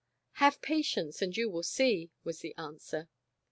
" Have patience, and you will see," was the answer.